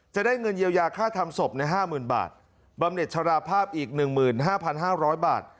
จะได้เงินเยียวยาค่าทำศพใน๕๐๐๐บาทบำเน็ตชราภาพอีก๑๕๕๐๐บาท